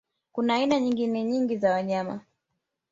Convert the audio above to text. Kuna aina nyingine nyingi za wanyama